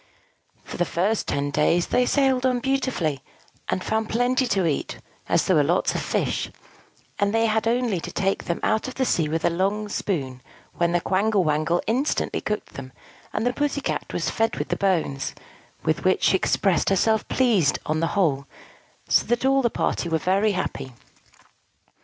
For the first ten days they sailed on beautifully, and found plenty to eat, as there were lots of fish; and they had only to take them out of the sea with a long spoon, when the Quangle Wangle instantly cooked them; and the Pussy Cat was fed with the bones, with which she expressed herself pleased, on the whole: so that all the party were very happy.